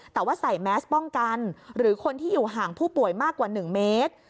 แต่ว่าใส่แมสป้องกันหรือคนที่อยู่ห่างผู้ป่วยมากกว่า๑เมตร